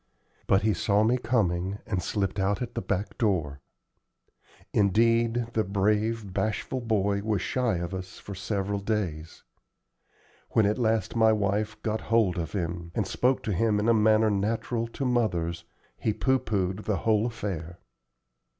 But he saw me coming, and slipped out at the back door. Indeed, the brave, bashful boy was shy of us for several days. When at last my wife got hold of him, and spoke to him in a manner natural to mothers, he pooh poohed the whole affair.